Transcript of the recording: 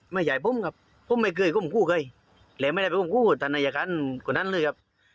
ไม่ใช่ผมครับผมไม่เคยก้มคู่เคยและไม่ได้ไปก้มคู่ท่านอายการคนนั้นเลยครับ